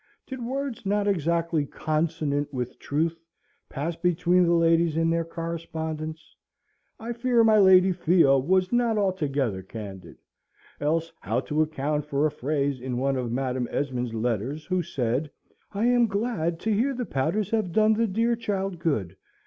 Did words not exactly consonant with truth pass between the ladies in their correspondence? I fear my Lady Theo was not altogether candid: else how to account for a phrase in one of Madam Esmond's letters, who said: "I am glad to hear the powders have done the dear child good.